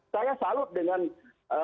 saya salut dengan anda